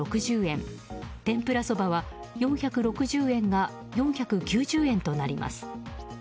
天ぷらそばは４６０円が４９０円となります。